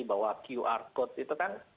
bahwa qr code itu kan